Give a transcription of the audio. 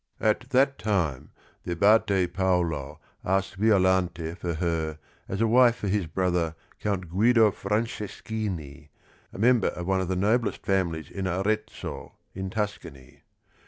At that time the Abate Paolo asked Violante for her as a wife for his brother Count Guido Franceschini, a member of one of the noblest families in Arezzo in Tuscany.